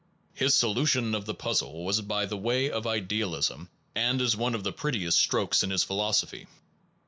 His solution of the puzzle was by the way of idealism, and is one of the prettiest strokes in his philosophy.